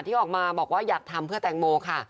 ที่ออกมาบอกว่าอยากทำเพื่อแตงโมค่ะ